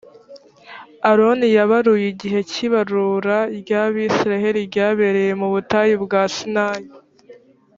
aroni yabaruye igihe cy’ibarura ry’abayisraheli ryabereye mu butayu bwa sinayi.